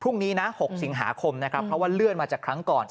พรุ่งนี้นะ๖สิงหาคมนะครับเพราะว่าเลื่อนมาจากครั้งก่อน